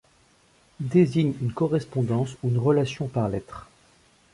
Désigne une correspondance ou une relation par lettres.